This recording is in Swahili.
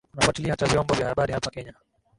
unafwatilia hata viombo vya habari hapa kenya